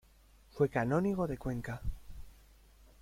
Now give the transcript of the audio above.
Fue canónigo de Cuenca.